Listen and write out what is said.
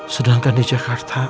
sedangkan di jakarta